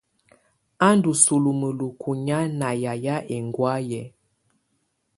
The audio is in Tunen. Á ndù sulù mǝlukù nyàà ná yayɛ ɛŋgɔ̀áyɛ.